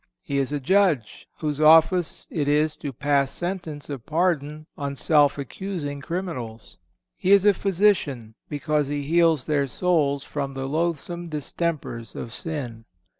(501) He is a judge, whose office it is to pass sentence of pardon on self accusing criminals. He is a physician, because he heals their souls from the loathsome distempers of sin.